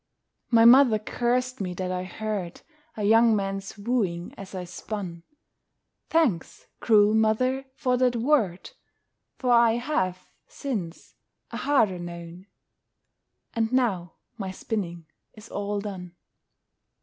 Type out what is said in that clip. My mother cursed me that I heard A young man's wooing as I spun: Thanks, cruel mother, for that word, For I have, since, a harder known! And now my spinning is all done.